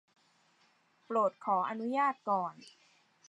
โปรดขออนุญาตก่อน